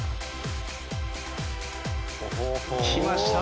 きました。